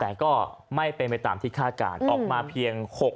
แต่ก็ไม่เป็นไปตามที่คาดการณ์ออกมาเพียง